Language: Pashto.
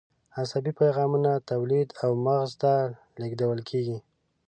عصبي پیغامونه تولید او مغز ته لیږدول کېږي.